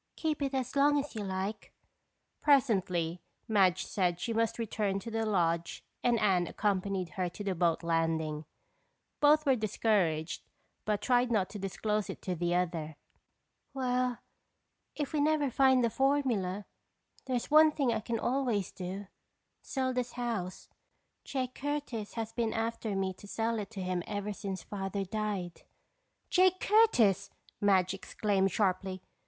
"Keep it as long as you like." Presently, Madge said that she must return to the lodge and Anne accompanied her to the boat landing. Both were discouraged but tried not to disclose it to the other. "Well, if we never find the formula, there's one thing I can always do—sell this house. Jake Curtis has been after me to sell it to him ever since Father died." "Jake Curtis!" Madge exclaimed sharply.